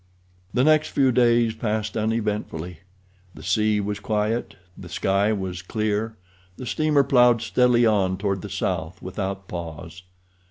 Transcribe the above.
The next few days passed uneventfully. The sea was quiet. The sky was clear. The steamer plowed steadily on toward the south without pause.